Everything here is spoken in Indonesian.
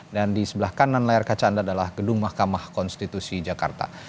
dan di sebelah kanan layar kaca anda adalah gedung mahkamah konstitusi jakarta